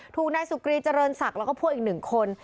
ถูกนายสุกรีเจริญศักดิ์แล้วก็พวกอีกหนึ่งคน